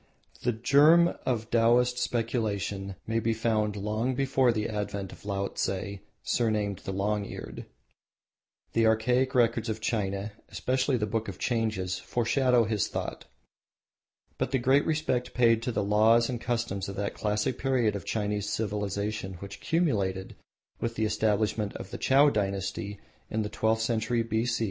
The germ of Taoist speculation may be found long before the advent of Laotse, surnamed the Long Eared. The archaic records of China, especially the Book of Changes, foreshadow his thought. But the great respect paid to the laws and customs of that classic period of Chinese civilisation which culminated with the establishment of the Chow dynasty in the sixteenth century B.C.